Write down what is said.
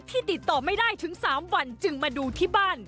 ติดต่อไม่ได้ถึง๓วันจึงมาดูที่บ้าน